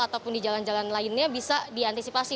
ataupun di jalan jalan lainnya bisa diantisipasi